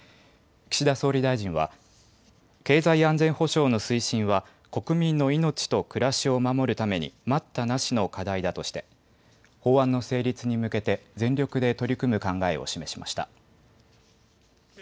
岸田総理大臣は、経済安全保障の推進は、国民の命と暮らしを守るために待ったなしの課題だとして、法案の成立に向けて全力で取り組む考えを示しました。